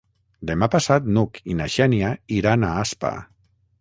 Demà passat n'Hug i na Xènia iran a Aspa.